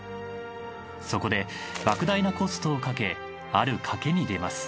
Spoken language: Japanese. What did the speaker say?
そこでばく大なコストをかけある賭けに出ます。